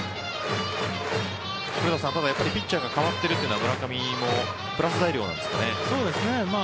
古田さん、ただピッチャーが代わっているというのは村上もプラス材料ですかね。